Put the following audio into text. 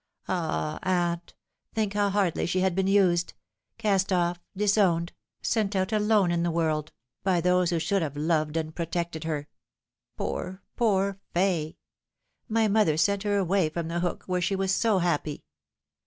Ah, aunt, think how hardly she had been used cast off, dis owned, sent out alone into the world by those who should have loved and protected her. Poor, poor Fay ! My mother sent her away from The Hook, where she was so happy.